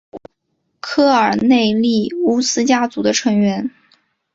科尔内利乌斯家族的成员。